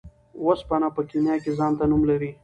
اوسپنه په کيميا کي ځانته نوم لري .